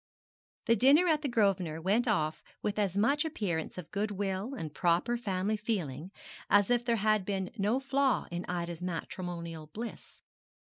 The dinner at the Grosvenor went off with as much appearance of goodwill and proper family feeling as if there had been no flaw in Ida's matrimonial bliss.